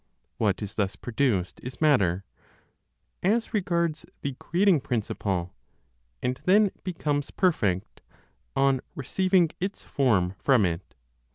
What is thus produced is matter, as regards the creating principle, and then becomes perfect, on receiving its form from it.